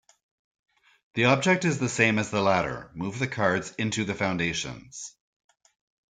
The object is the same as the latter: move the cards into the foundations.